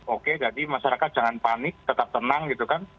oke jadi masyarakat jangan panik tetap tenang gitu kan